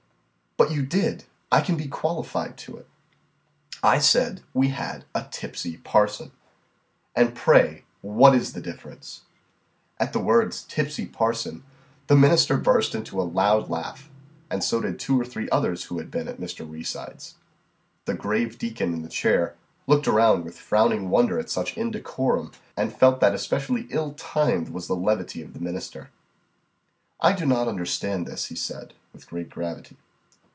"But you did, I can be qualified to it." "I said we had a 'tipsy parson.'" "And, pray, what is the difference?" At the words "tipsy parson," the minister burst into a loud laugh, and so did two or three others who had been at Mr. Reeside's. The grave deacon in the chair looked around with frowning wonder at such indecorum, and felt that especially ill timed was the levity of the minister. "I do not understand this," he said, with great gravity.